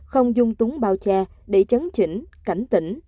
không dung túng bao che để chấn chỉnh cảnh tỉnh